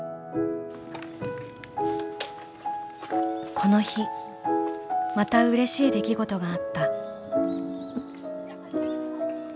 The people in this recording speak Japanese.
「この日また嬉しい出来事があった」。